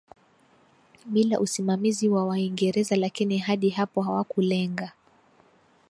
bila usimamizi wa Waingereza Lakini hadi hapo hawakulenga